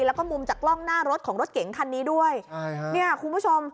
แล้วก็มุมจากกล้องหน้ารถของรถเก๋งคันนี้ด้วยใช่ฮะเนี่ยคุณผู้ชม